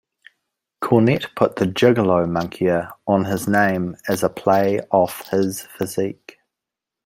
Cornette put the "Gigolo" moniker on his name as a play off his physique.